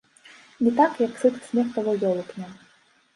Не так, як сыты смех таго ёлупня.